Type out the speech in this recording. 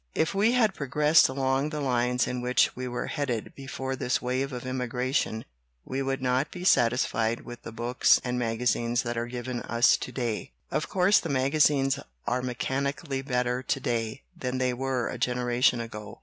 If we had progressed along the lines in which we were headed before this wave of immigration, we would not be satisfied with the books and magazines that are given us to day. 6 81 LITERATURE IN THE MAKING "Of course the magazines are mechanically better to day than they were a generation ago.